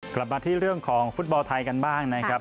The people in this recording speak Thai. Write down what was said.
กลับมาที่เรื่องของฟุตบอลไทยกันบ้างนะครับ